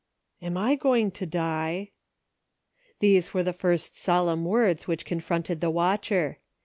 AM I going to die ?" These were the first solemn words which confronted the watcher.